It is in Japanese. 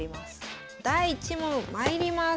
第１問まいります。